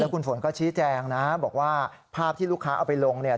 คุณฝนก็ชี้แจงนะบอกว่าภาพที่ลูกค้าเอาไปลงเนี่ย